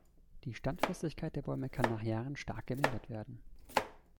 Die Standfestigkeit der Bäume kann nach Jahren stark gemindert werden.